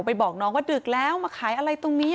บอกน้องว่าดึกแล้วมาขายอะไรตรงนี้